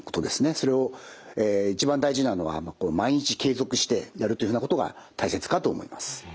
それを一番大事なのは毎日継続してやるというふうなことが大切かと思います。